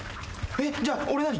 えっ？じゃあ俺何？